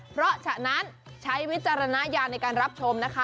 เพราะฉะนั้นใช้วิจารณญาณในการรับชมนะคะ